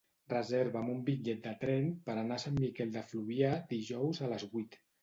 Reserva'm un bitllet de tren per anar a Sant Miquel de Fluvià dijous a les vuit.